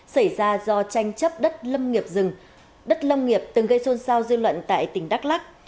xảy ra do tranh chấp đất lâm nghiệp từng gây xôn xao dư luận tại tỉnh đắk lắc